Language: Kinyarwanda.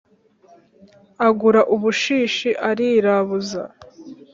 Agura ubushishi arirabuza